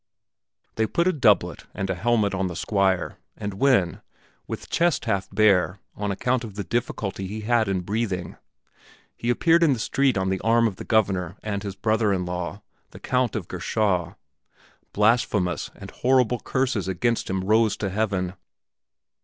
They put a doublet and a helmet on the Squire and when, with chest half bare on account of the difficulty he had in breathing, he appeared in the street on the arm of the Governor and his brother in law, the Count of Gerschau, blasphemous and horrible curses against him rose to heaven.